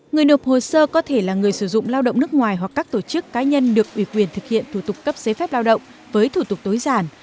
người nộp hồ sơ có thể là người sử dụng lao động nước ngoài hoặc các tổ chức cá nhân được ủy quyền thực hiện thủ tục cấp giấy phép lao động với thủ tục tối giản